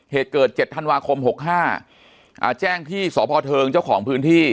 เหตุเกิดเจ็ดธันวาคมหกห้าอ่าแจ้งที่สภเทิงเจ้าของพื้นที่